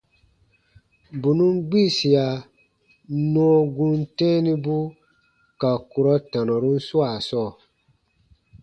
Bù nùn gbiisia nɔɔ gum tɛ̃ɛnibu ka kurɔ tanɔrun swaa sɔɔ.